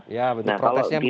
iya betul protesnya begitu